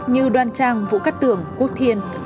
như đoan trang vũ cát tường quốc thiên